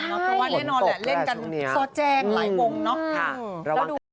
คือว่าแน่นอนแหละเล่นกันหลายวงเนอะ